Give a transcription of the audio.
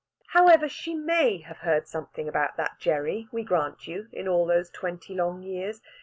However, she may have heard something about that Gerry, we grant you, in all those twenty long years.